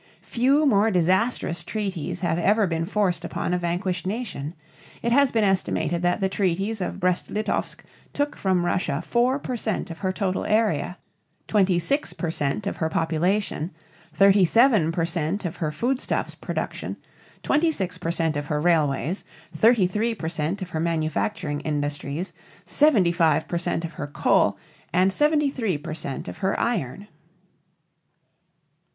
Few more disastrous treaties have ever been forced upon a vanquished nation. It has been estimated that the treaties of Brest Litovsk took from Russia 4 per cent of her total area, 26 per cent of her population, 37 per cent of her food stuffs production, 26 per cent of her railways, 33 per cent of her manufacturing industries, 75 per cent of her coal, and 73 per cent of her iron.